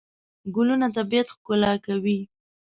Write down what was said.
ګلونه طبیعت ښکلا کوي.